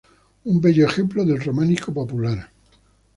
Un bello ejemplar del románico popular.